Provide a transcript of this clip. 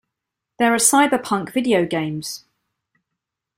There are cyberpunk video games.